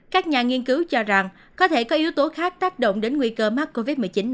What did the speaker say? các nhà nghiên cứu cho rằng có thể có yếu tố khác tác động đến nguy cơ mắc covid một mươi chín